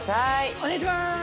お願いします！